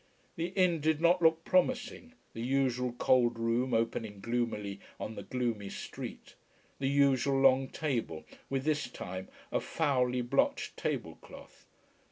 The inn did not look promising the usual cold room opening gloomily on the gloomy street. The usual long table, with this time a foully blotched table cloth.